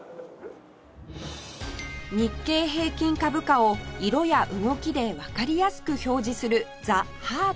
日経平均株価を色や動きでわかりやすく表示する ＴｈｅＨＥＡＲＴ